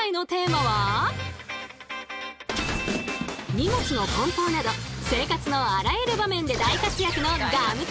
荷物の梱包など生活のあらゆる場面で大活躍のガムテープ。